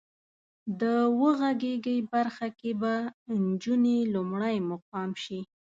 د وغږېږئ برخه کې به انجونې لومړی مقام شي.